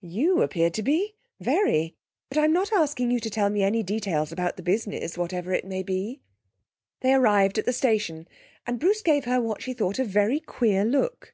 'You appear to be very. But I'm not asking you to tell me any details about the business, whatever it may be.' They arrived at the station, and Bruce gave her what she thought a very queer look.